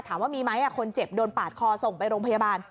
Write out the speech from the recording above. ถามว่ามีไหมคนเจ็บโดนปาดคอส่งไปโรงพยาบาล